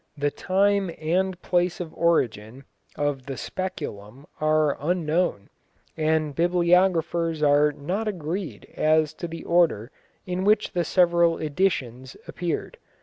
The time and place of origin of the Speculum are unknown, and bibliographers are not agreed as to the order in which the several "editions" appeared.